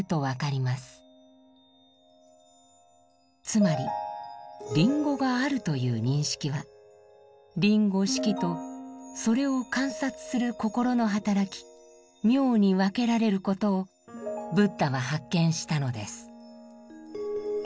つまりリンゴがあるという認識はリンゴ「色」とそれを観察する心の働き「名」に分けられることをブッダは発見したのです。